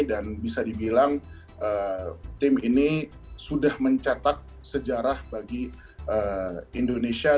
dan bisa dibilang tim ini sudah mencetak sejarah bagi indonesia